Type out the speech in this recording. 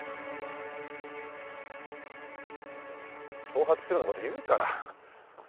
挑発するようなこと言うから。